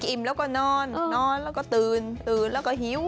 อิ่มแล้วก็นอนนอนแล้วก็ตื่นตื่นแล้วก็หิว